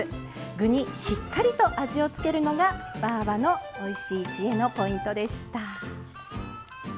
具にしっかりと味を付けるのがばぁばのおいしい知恵のポイントでした。